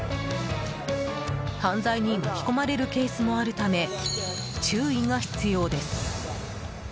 犯罪に巻き込まれるケースもあるため注意が必要です。